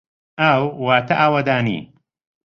ئاو واتە ئاوەدانی.